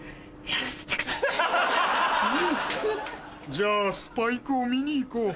じゃあスパイクを見に行こう。